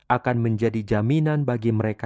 akan menjadi jaminan bagi mereka